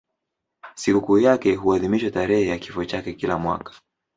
Sikukuu yake huadhimishwa tarehe ya kifo chake kila mwaka.